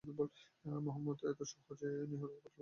মুহাম্মাদ এত সহজে নিহত হবার লোক নন।